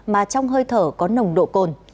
mà trong hơi thở có nồng độ cồn